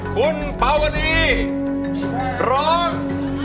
คุณปาวดีร้อง